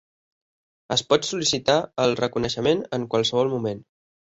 Es pot sol·licitar el reconeixement en qualsevol moment.